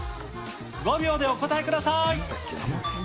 ５秒でお答えください。